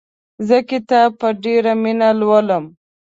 زه کتاب په ډېره مینه لولم.